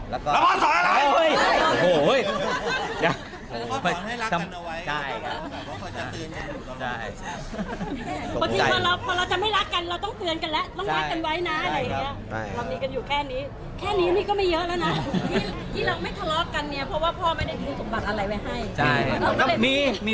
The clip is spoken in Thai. บางทีพอเราจะไม่รักกันเราต้องก่อนกันละต้องรักกันไว้นะ